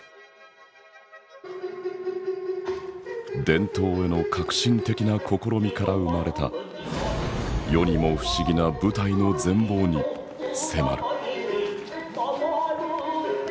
伝統への革新的な試みから生まれた世にも不思議な舞台の全貌に迫る。